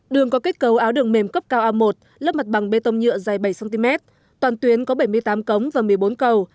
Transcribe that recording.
đường có kết cấu áo đường mềm cấp cao a một lớp mặt bằng bê tông nhựa dài bảy cm toàn tuyến có bảy mươi tám cống và một mươi bốn cầu